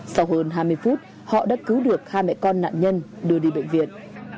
sau hơn hai mươi phút họ đã cứu được hai mẹ con nạn nhân đưa đi bệnh viện